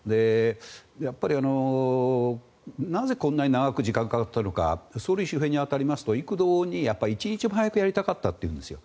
やっぱりなぜこんなに長く時間がかかったのか総理周辺に当たりますと異口同音に一日も早くやりたかったというんですよ。